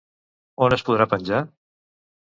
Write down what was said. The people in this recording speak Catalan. On es podrà penjar?